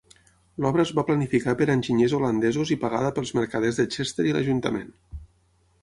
L'obra es va planificar per enginyers holandesos i pagada pels mercaders de Chester i l'ajuntament.